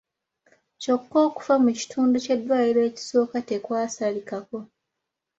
Kyokka okufa mu kitundu ky’eddwaliro ekisooka tekwasalikako.